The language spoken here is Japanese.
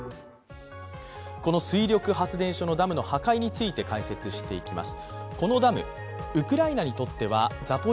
この水力発電所のダムの破壊について解説していきます。